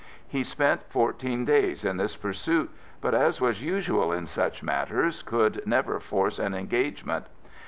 He spent fourteen days in this pursuit but as was usual in such matters, could never force an engagement.